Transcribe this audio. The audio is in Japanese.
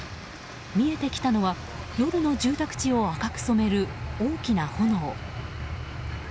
見えてきたのは夜の住宅地を赤く染める大きな炎。